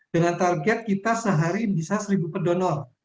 dengan target kita sehari bisa seribu pedonor